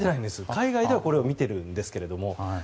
海外では、これ見られてるんですけれども。